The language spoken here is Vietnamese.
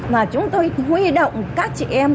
và chúng tôi huy động các chị em